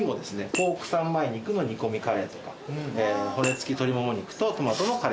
ポーク三枚肉の煮込みカレーとか骨付鶏もも肉とトマトのカレー。